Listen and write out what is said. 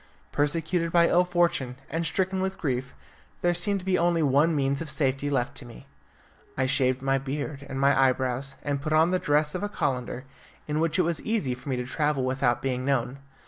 Persecuted by ill fortune, and stricken with grief, there seemed to be only one means of safety left to me. I shaved my beard and my eyebrows, and put on the dress of a calender, in which it was easy for me to travel without being known.